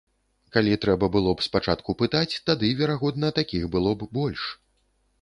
Калі трэба было б спачатку пытаць, тады, верагодна, такіх было б больш.